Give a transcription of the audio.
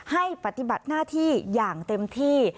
ปฏิบัติหน้าที่อย่างเต็มที่